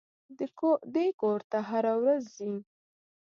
دى کور ته هره ورځ ځي.